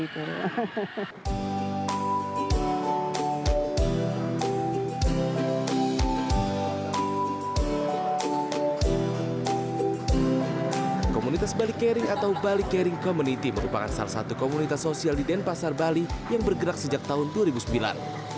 komunitas bali caring atau bali caring community merupakan salah satu komunitas sosial di denpasar bali yang bergerak sejak tahun dua ribu sembilan